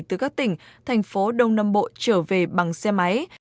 từ các tỉnh thành phố đông nam bộ trở về bằng xe máy